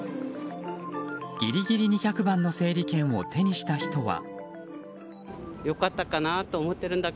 ギリギリ２００番の整理券を手にした人は。